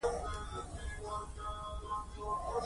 بېرته په سیند ورګډ شوم.